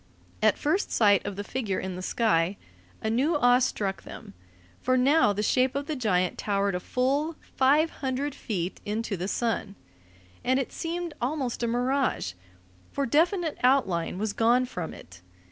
At first sight of the figure in the sky, a new awe struck them, for now the shape of the giant towered a full five hundred feet into the sun, and it seemed almost a mirage, for definite outline was gone from it.